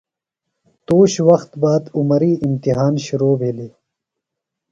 تُوش وخت باد عمری امتحان شِرو بِھلیۡ۔